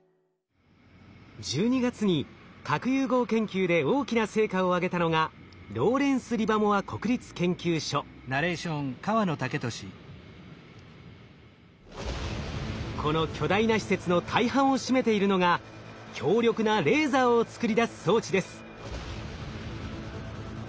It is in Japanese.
１２月に核融合研究で大きな成果を上げたのがこの巨大な施設の大半を占めているのが強力なレーザーを作り出す装置です。